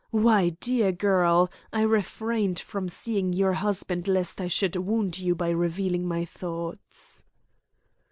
Why, dear girl, I refrained from seeing your husband lest I should wound you by revealing my thoughts."